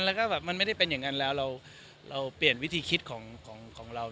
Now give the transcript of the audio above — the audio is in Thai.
แล้วก็แบบมันไม่ได้เป็นอย่างนั้นแล้วเราเปลี่ยนวิธีคิดของเรา